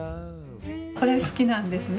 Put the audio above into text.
これ好きなんですね